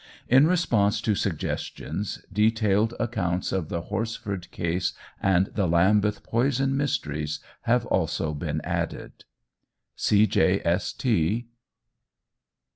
In response to suggestions, detailed accounts of the "Horsford case" and the "Lambeth poison mysteries" have also been added. C. J. S. T.